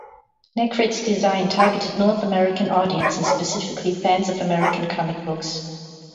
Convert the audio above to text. Necrid's design targeted North American audiences, specifically fans of American comic books.